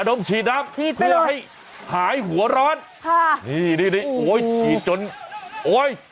ระดำฉีดน้ำฉีดไปเลยเพื่อให้หายหัวร้อนค่ะนี่นี่นี่โอ้ยฉีดจนโอ้ย